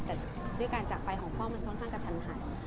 แต่ด้วยการจากไปของพ่อมันค่อนข้างกระทันหัน